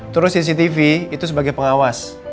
terus cctv itu sebagai pengawas